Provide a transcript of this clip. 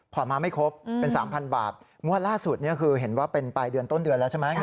มาไม่ครบเป็น๓๐๐บาทงวดล่าสุดคือเห็นว่าเป็นปลายเดือนต้นเดือนแล้วใช่ไหม